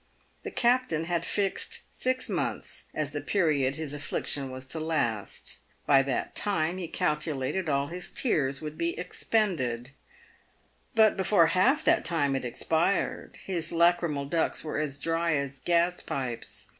The captain had fixed six months as the period his affliction was to last. By that time he calculated all his tears would be expended. But before half that time had expired his lachrymal ducts were as dry as gas pipes.